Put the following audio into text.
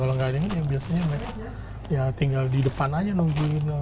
kalau nggak ada yang biasanya ya tinggal di depan aja nungguin